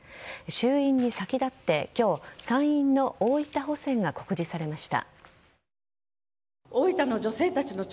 衆院に先立って、今日参院の大分補選が告示されました。